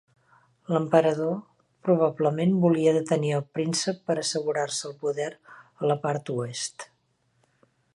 L'emperador probablement volia detenir el príncep per assegurar-se el poder a la part oest.